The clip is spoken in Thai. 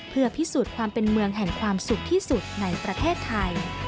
เพื่อพิสูจน์ความเป็นเมืองแห่งความสุขที่สุดในประเทศไทย